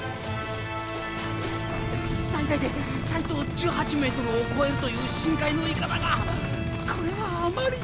最大で体長１８メートルを超えるという深海のイカだがこれはあまりに。